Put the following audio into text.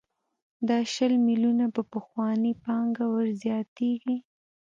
دا شل میلیونه په پخوانۍ پانګه ورزیاتېږي